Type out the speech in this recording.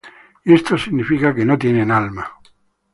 Y esto significa que no tienen alma".